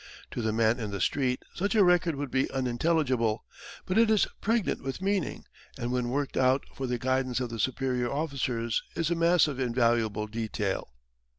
To the man in the street such a record would be unintelligible, but it is pregnant with meaning, and when worked out for the guidance of the superior officers is a mass of invaluable detail.